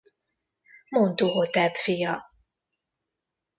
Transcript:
Montuhotep fia.